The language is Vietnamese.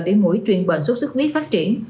để mũi truyền bệnh sốt xuất huyết phát triển